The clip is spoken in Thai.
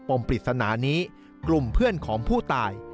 มปริศนานี้กลุ่มเพื่อนของผู้ตาย